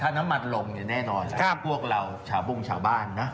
ถ้าน้ำมันลงเนี่ยแน่นอนถ้าพวกเราชาวบุ้งชาวบ้านนะ